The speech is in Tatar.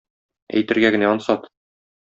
Әйтергә генә ансат.